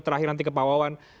terakhir nanti ke pak wawan